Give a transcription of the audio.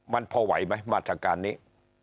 มันพอไหวไหมมาตรการนี้